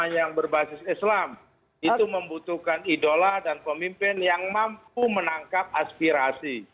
yang berbasis islam itu membutuhkan idola dan pemimpin yang mampu menangkap aspirasi